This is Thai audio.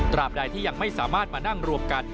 บใดที่ยังไม่สามารถมานั่งรวมกัน